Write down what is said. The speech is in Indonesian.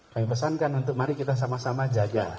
kami pesankan untuk mari kita sama sama jaga